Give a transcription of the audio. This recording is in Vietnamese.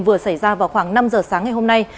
vừa xảy ra vào khoảng năm giờ sáng ngày hôm nay